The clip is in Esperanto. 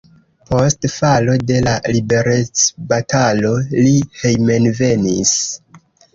Post falo de la liberecbatalo li hejmenvenis.